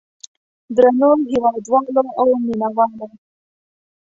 درنو هېوادوالو او مینه والو.